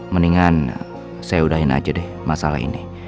mendingan saya udahin aja deh masalah ini